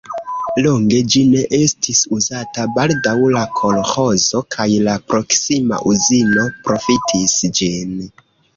Longe ĝi ne estis uzata, baldaŭ la kolĥozo kaj la proksima uzino profitis ĝin.